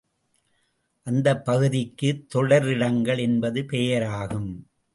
அந்தப் பகுதிக்குத் தொடரிடங்கள் என்பது பெயராகும்.